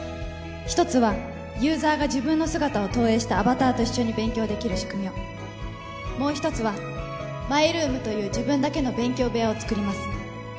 一つはユーザーが自分の姿を投影したアバターと一緒に勉強できる仕組みをもう一つはマイルームという自分だけの勉強部屋を作ります